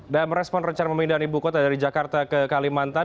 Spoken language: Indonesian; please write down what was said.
dalam respon rencana pemindahan ibu kota dari jakarta ke kalimantan